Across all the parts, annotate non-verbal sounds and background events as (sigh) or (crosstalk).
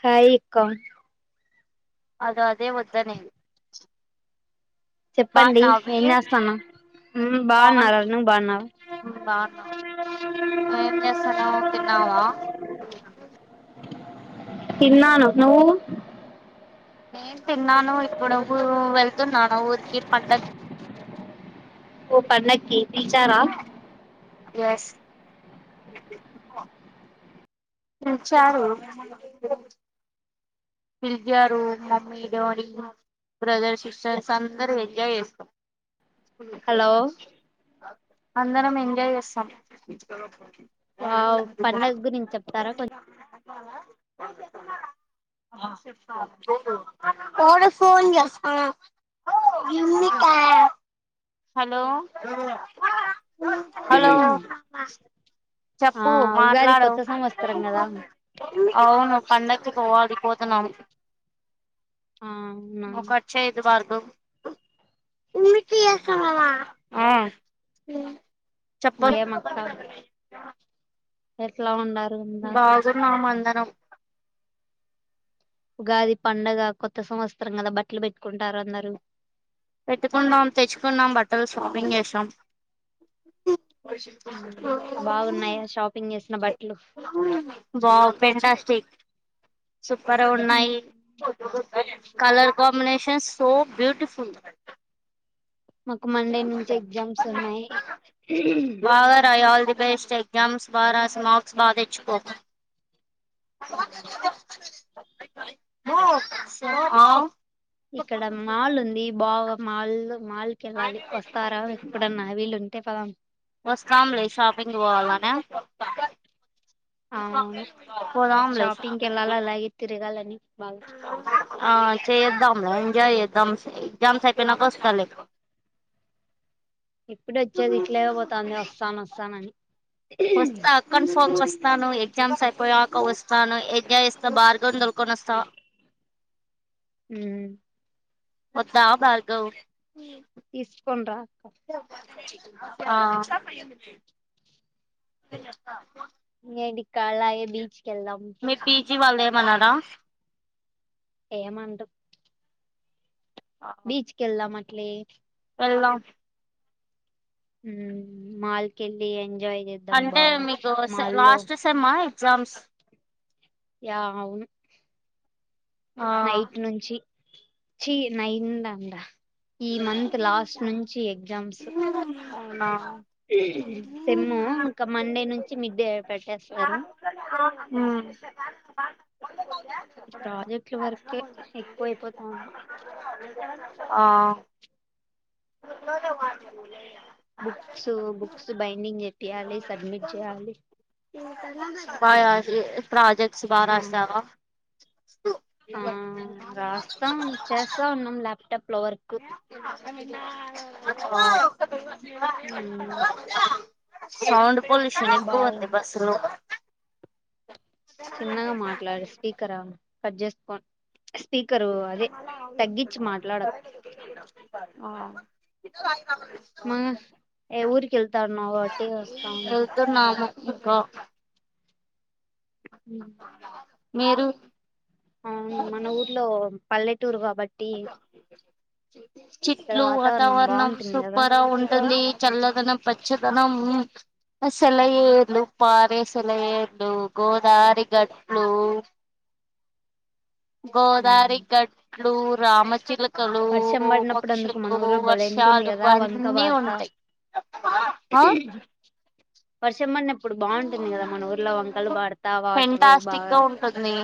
హాయి కాన్ అదే అదే మద్ద న చెప్పండి బన్నావే ఏం చేస్తాన్నావ్ మ్మ్ బాగున్నారా నువ్వు బాగున్నావా ఏం జేసనావ్ తిన్నావా అ ఇన్నాను నవ్వు నేను తిన్నాను ఇప్పుడు వెళ్తున్నాను ఊరికి పండగకి పన చ చారా ఎస్ చాలు ఫిల్జారు మమ్మీ డోనీ బ్రదర్ సిస్టర్స్ అందరూ ఎంజాయ్ చేస్తారు హలో స స అందరం ఎంజాయ్ చేస్తాం ఆ పండగ గురించి చెప్తారా కొంచం డ ఫోన్ చేస్త ఇకా హలో హలో ఆ చెప్పు ఉగాది మాట్లాడువు కొత్త సంవత్సరం కదా అవును పండకి పోవదు పో స ఆ అవునా ఒకకచ్చే ఇ దబార కిసా మ ఏమ అక్క ఎట్లా ఉండదు బాగులు నా మ నరం ఉగాది పండగ కొత్త సంవత్సరం కదా బట్టలు పెట్టుకుంటారు అందరు పెట్టుకున్నాాం తెచ్చుకున్నాాం బట్టలు సొప్పింగ్ చేసాం మ్మ్ బాగున్నాయా షాపింగ్ చేసిన బట్టలు బా పింటాస్టిక్ సూపర్ మ్మ్ ఉన్నాయి కలర్ కాంబినేషన్ సో బ్యూటిఫుల్ మాకు మండే నుంచి ఎగ్జామ్స్ ఉన్నాయి బేస్డ్ ఎగ్జామ్స్ ద్వారా మార్క్స్ బాధచ్చుకో ఆ పో ఇక్కడ మాల్ ఉంది బాగా మాల్ మాళకెళ్ళాలి వస్తారా ఇప్పుడన్న వీలు అతే పతం వస్కంలీ షాపిింగ్ వాాలనే అవును అపోదంలే షాపింగ్ కి వెళ్ళాలి అలాగే తిరగాలని బాగా ఆ చేద్దా ఎంజా్ చేదు జస జమ్సాయి ప నా పస్ట లేకు ఇప్పుడు వచ్చేది ఇట్లే పోతుంది వస్తాన వస్తానని వస్తస్తా కన్ఫర్మ్ వస్తాను ఎగ్జామ్స్ అయిపోయాక వస్తాను ఎగజాయ్ ఇస్తా బార్గ దలుకొని వస్తా అ మద్ద ఆ బార్గ ఇస్కండ్రా ఆ డి కాళయ బీచ్కిెళ్ళం మనారా ఏమంట బీచ్ కెల్లా మ పలే అలా హ మాల్కెళ్లి అంటే మీకు లాస్ట్ సమ్మా చమ్స యా అవును ఆ నైట్ నుంచి చీ నైందా అందా ఈ మంత్ లాస్ట్ నుంచి ఎగ్జామ్స్ అవునా సమ్ము ఇంకా మండే నుంచి మిడ్డే పెట్టేస్తారు అ ఈ ప్రాజెక్టుల వరకే ఎక్కువ అయిపోతా ఉంది ఆ మా లే బుక్స్ బుక్స్ బైండింగ్ చెప్పయాలి సబ్మిట్ చేయాలి ప్రజక్ సు బారా ఆ రాస్తావా ఆ రాస్తాం చేస్తా ఉన్నాం ల్యాప్టాప్ లో వర్క్ ఉమ్, సౌండ్ పొల్యూషన్ ఎక్కువ బాగు ఉంది బస్సు లో చిన్నగా మాట్లాడు స్పీకరా కట్ చేసి పోను మాట్లాడకు ఆ మా ఏ ఊర్కెళ్తానవ్ కాబట్టి వస్తుంది క ఉ మీరు అవును మన ఊర్లో పల్లె అక్కడ చెట్లు వాతావరణం బాగుంటుంది కదా సూపర ఉంటుంది చల్లదనం పచ్చదనం. ఆ సెలయేర్లు, పారే సెలయేర్లు, గోదారి గట్లు, గోదారి గట్ ట్ల్ రామచిల కలు, వర్షం పడినప్పుడు అందుకు మన పక్షులు, ఊర్లో భలే ఉంటుంది వర్షాలు కదా వంక అన్నీ బార్త ఉంటాయ్. వర్షం పడినప్ ప్పుడు బాగుంటుంది కదా మన ఊర్లో వంకలు బాడుతా వాటరు ఫెంటాస్టిక్ బాగా, గా ఉంటుంది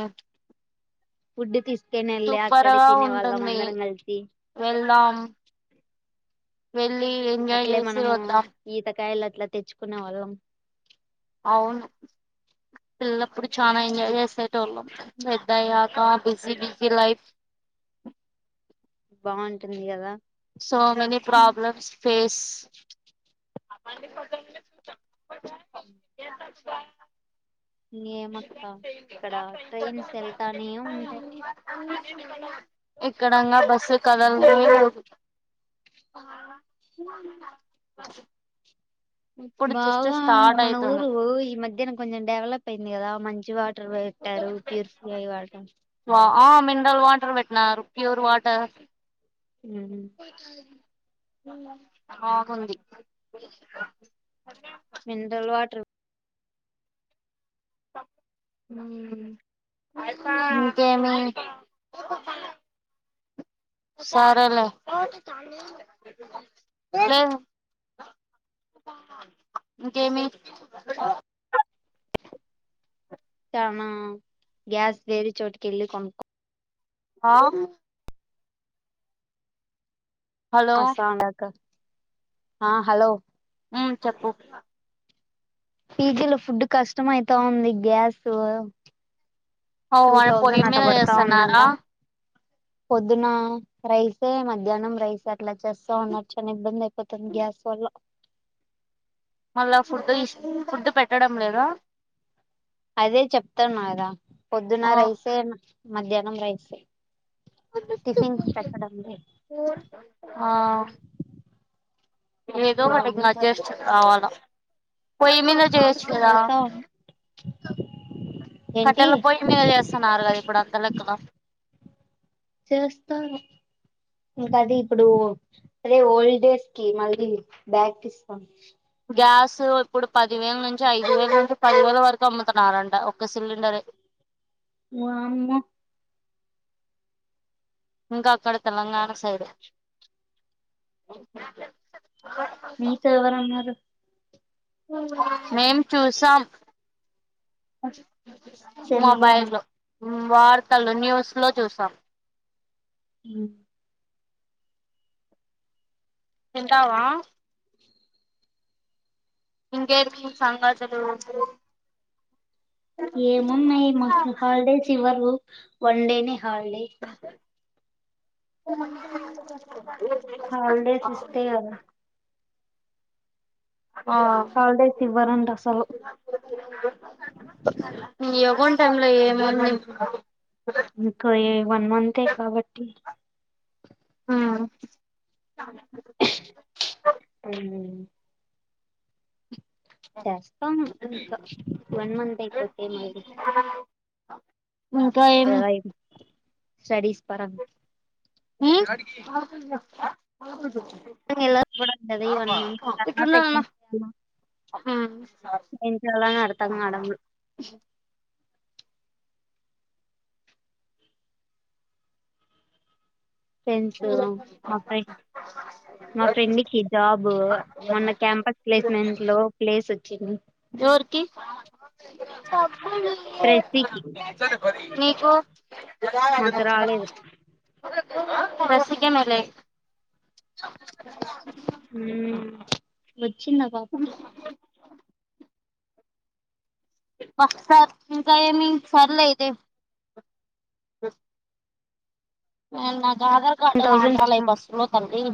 ఫుడ్ తీసుకొని వెళ్ళి సూపర్ అక్కడ గా తినే వాళ్ళం ఉంటుంది అందరం కలి వెళ్దాం వెళ్లి ఎంజాయ్ అట్లే చేసి మనము వద్దాం ఈతకాయలు అట్లా తెచ్చుకునే వాళ్ళం అవును పిల్లప్పుడు చానా ఎంజాయ్ చేసేటోళ్ళం పెద్ద అయ్యాక బిజీ బిజీ లైఫ్. బాగుంటుంది కదా సో మెనీ ప్రాబ్లమ్స్ ఫేస్ ఇంగేమక్క ఇక్కడ ట్రైన్స్ వెళ్తానే ఉంటాయ్ ఇక్కడ ఇంగా బస్సు కదల్లేదు ఇప్పుడు జస్ట్ బాబ స్టార్ట్ మన అయితుంది ఊరు ఈ మధ్యన కొంచెం డెవలప్ అయింది కదా మంచి వా పెట్టారు ప్యూర్ అయి వాళ్ట వా ఆ మినరల్ వాటర్ పెట్టినారు ప్యూర్ వాటర్ కా బాగుంది మినరల్ వాటర్ ఉమ్మ్ ఇంకేమి సరేలే ఇంకేమి చానా గ్యాస్ వేరే చోటుకెళ్ళి కొనుక్క్ ఆ హలో వస్తావుండక్కా ఆ హలో ఉమ్మ్ చెప్పు పీ జీ లో ఫుడ్ కష్టం అయితా ఉంది గ్యాసు ఔ వాళ్ళు పొయ్యి మీద చేస్తన్నారా పొద్దున రైసే మధ్యానం రైస్ అట్లా చేస్తావున్నారు చానా ఇబ్బంది ఐపోతుంది గ్యాస్ వల్ల మళ్ళా ఫుడ్డు ఇష్ ఫుడ్డు పెట్టడం లేదా అదే చప్తున్నా గా పొద్దున ఆ రైసే మ మధ్యా నం రైసే టిఫిన్స్ పెట్టడం లేదు ఆ ఏదో అట్లా ఒకటింగ ఉంది అడ్జెస్ట్ కావాల పొయ్యి మీద చెయ్యొచ్చు కావాలి కదా అవుతా ఉంది ఏంటి కట్టెల పొయ్యి మీద చేస్తున్నారు కదా ఇప్పుడు అంత లెక్కగా చేస్తారు ఇంకది ఇప్పుడు అదే ఓల్డ్ డేస్ కి మళ్ళీ బ్యాక్ ఇస్తాం గ్యాస్ ఇప్పుడు పది వేల నుంచి ఐదు వేల నుంచి పదివేల వరకు అమ్ముతున్నారంట ఒక్క సిలిండరే వామ్మో ఇంక అక్కడ తెలంగాణ సైడు మీతో ఎవరున్నారు మేం చూసాం అస్ సెల్లులోనా మొబైల్ లో వార్తలు న్యూస్ లో చూసాం ఉమ్మ్ ఇంటావా ఇంకేది మీ సంగతులు ఏమున్నయి మాకు హాలిడేస్ ఇవ్వరు వన్ డే నే హాలిడే హాలిడేస్ ఇస్తే కదా హాలిడేస్ ఇవ్వరంట అసలు (unintelligible) అకౌంట్ టైమ్ లో ఏముంది ఇంకా ఏం. వన్ మంతే కాబట్టి. హా హు స ఇంకా ఇంకా వన్ మంత్ అయిపోతే మరి. ఇంకా ఏం స్టడీస్ పరంగా. ఉమ్ గుర్తులేదు కానీ అప్పుడు అన్నది వన్ మంత్ స్టార్ట్ ఐతే ఏం ఇటున్నానన్న చేయాలి ఉమ్ తనకి ఎప్పుడూ అర్థం కావడంలేదు. ఫ్రెండ్స్ మా ఫ మా ఫ్రెండ్కి జాబు మొన్న క్యాంపస్ ప్లేస్మెంట్ లో ప్లేస్ వచ్చింది. కి. ఫ్రెషీకి నీకు మాకు రాలేదు బస్ కే మరి ఉమ్ వచ్చింద ఆ పాప కి పస్సా ఇంకా ఏమి సర్లే ఈగేం. (unintelligible) ఆధార్ టెన్ కార్డు థౌసండ్ కనపడలేదు ఇచ్చాం బస్సు లో తల్లి.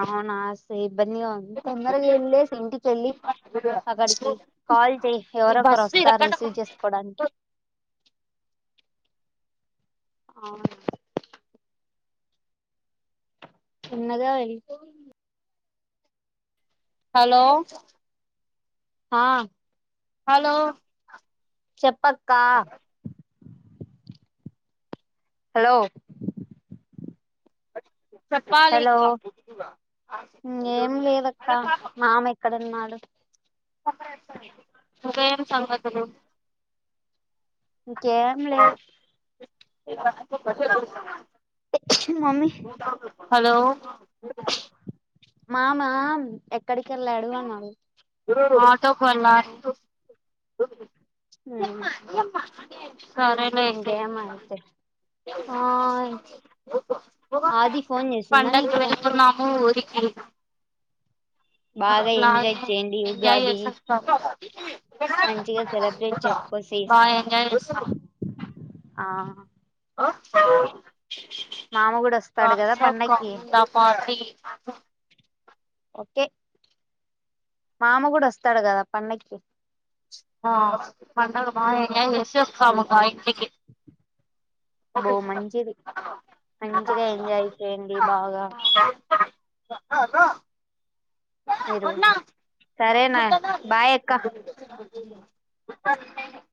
అవునా స. ఇబ్బందిగా తొందరగా వెళ్ళసి ఇంటికి వెళ్ళి అక్కడికి కాల్ చేయి ఈ ఎవరొ ఒకరు బస్సు వస్తారు ఇరకట రిసీవ్ చేసుకోడానికి. అవునా చిన్నదే వేల్ హలో ఆ హలో చెప్పక క్క హలో చెప్పాలి హలో ఇంకా ఏం లేదక్క మామె ఎక్కడన్నాడు ఉదయం సంగతులు. ఇకేమ్లేదు (inaudible) (unintelligible) హలో. (inaudible) మామా ఎక్ క్కడికెళ్లాడు అన్ అడుగుత్ తొ ఫోన్ మాట్ (unintelligible) ఉమ్ హ్ ఏం చెస్ సరే లే ఐతే ఇంక, ఆ ఆది ఫోన్ చేసిందా పండక్కి నీకు వెళ్తున్నాము ఊరి చెయ్లేదు బాగా ఎంజాయ్ అట్లాగే చేయండి ఎంజాయ్ ఉగాది చేసేస్తాం, మంచిగా సెలబ్రేట్ చేసుకోసి బాగా ఎంజాయ్ చేస్తమ్. ఆ ఆ మామ కూడా వస్తాడు కదా నాన్స్టాప్ క, పండక్కి వన్ అండ్ హార్, త్రీ (inaudible) ఓకే మామ గుడోస్తాడు కదా పండక్కి? ఆ, పండగప్ బాగ ఎంజాయ్ చేసి వస్తాము, మా ఇంటికి. బో మంచిది, మంచిగా ఎంజాయ్ చేయండి బాగా. ర అన్న మీరు అన్నా. సరేనా బాయ్ అక్క ఓ అన్నా (unintelligible)